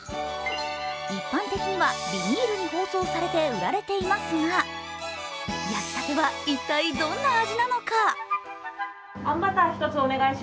一般的にはビニールに包装されて売られていますが焼きたては一体どんな味なのか。